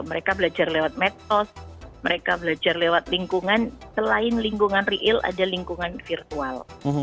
mereka belajar lewat metos mereka belajar lewat lingkungan selain lingkungan real ada lingkungan virtual